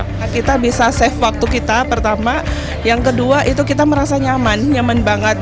karena kita bisa save waktu kita pertama yang kedua itu kita merasa nyaman nyaman banget